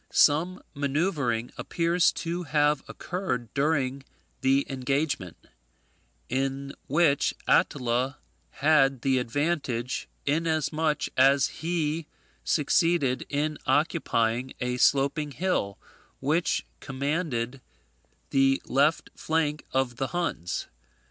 Some manoeuvring appears to have occurred before the engagement, in which Attila had the advantage, inasmuch as he succeeded in occupying a sloping hill, which commanded the left flank of the Huns.